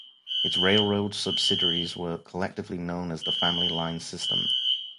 Its railroad subsidiaries were collectively known as the Family Lines System.